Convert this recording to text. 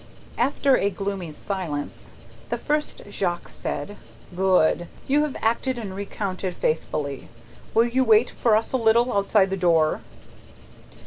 After a gloomy silence, the first Jacques said, "Good! You have acted and recounted faithfully. Will you wait for us a little, outside the door?"